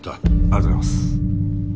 ありがとうございます。